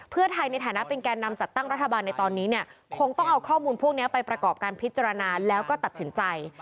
เพื่อไทยในฐานะเป็นแก่นำจัดตั้งรัฐบาลในตอนนี้เนี่ยคงต้องเอาข้อมูลพวกนี้ไปประกอบการพิจารณาแล้วก็ตัดสินใจ